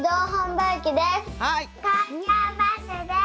とうきょうバスです。